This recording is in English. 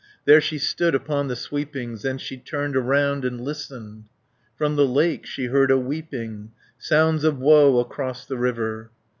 There she stood upon the sweepings, And she turned around, and listened. 160 From the lake she heard a weeping, Sounds of woe across the river.